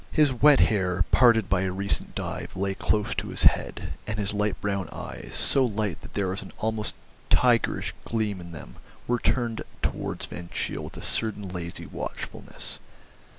His wet hair, parted by a recent dive, lay close to his head, and his light brown eyes, so light that there was an almost tigerish gleam in them, were turned towards Van Cheele with a certain lazy watchfulness.